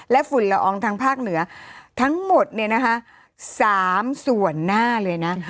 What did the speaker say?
และฝุ่นละอองทางภาคเหนือทั้งหมดเนี่ยนะคะ๓ส่วนหน้าเลยนะ